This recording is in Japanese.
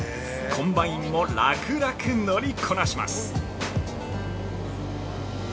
コンバインも楽々乗りこなします。